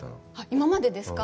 今までですか？